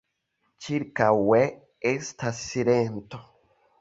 Ĉirkaŭe estas silento.